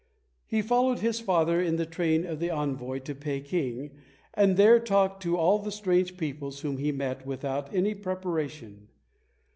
He followed his father in the train of the envoy to Peking, and there talked to all the strange peoples whom he met without any preparation.